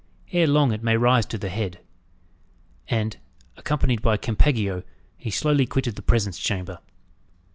Ere long it may rise to the head." And, accompanied by Campeggio, he slowly quitted the presence chamber.